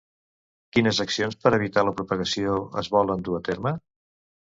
Quines accions per evitar la propagació es volen dur a terme?